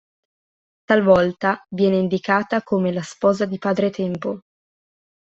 Talvolta viene indicata come la sposa di Padre Tempo.